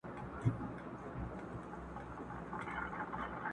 شپه ده د بوډیو په سینګار اعتبار مه کوه،